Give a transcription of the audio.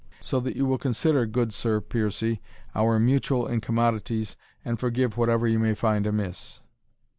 So that you will consider, good Sir Piercie, our mutual in commodities, and forgive whatever you may find amiss."